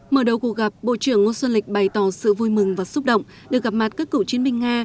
mở đầu cuộc gặp bộ trưởng ngô xuân lịch bày tỏ sự vui mừng và xúc động được gặp mặt các cựu chiến binh nga